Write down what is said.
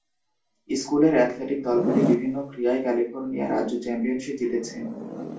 স্কুলের অ্যাথলেটিক দলগুলি বিভিন্ন ক্রীড়ায় ক্যালিফোর্নিয়া রাজ্য চ্যাম্পিয়নশিপ জিতেছে।